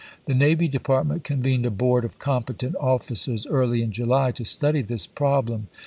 The Navy De partment convened a board of competent officers early in July to study this problem.